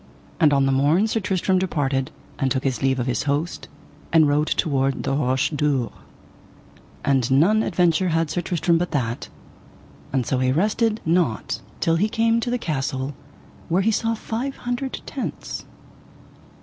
And on the morn Sir Tristram departed, and took his leave of his host, and rode toward the Roche Dure, and none adventure had Sir Tristram but that; and so he rested not till he came to the castle, where he saw five hundred tents.